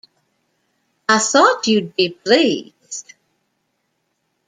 I thought you'd be pleased.